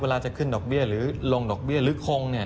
จะขึ้นดอกเบี้ยหรือลงดอกเบี้ยหรือคง